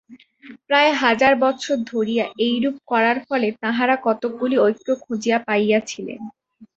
প্রায় হাজার বৎসর ধরিয়া এইরূপ করার ফলে তাঁহারা কতকগুলি ঐক্য খুঁজিয়া পাইয়াছিলেন।